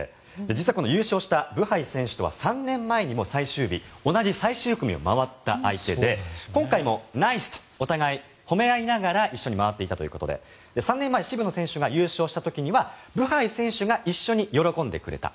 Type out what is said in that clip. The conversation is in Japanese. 実はこの優勝したブハイ選手とは３年前にも最終日同じ最終組を回った相手で今回も、ナイスとお互い褒め合いながら一緒に回っていたということで３年前、渋野選手が優勝した時にはブハイ選手が一緒に喜んでくれた。